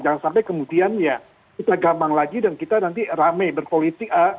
jangan sampai kemudian ya kita gampang lagi dan kita nanti rame berpolitik